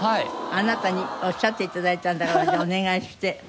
あなたにおっしゃって頂いたんだからじゃあお願いして。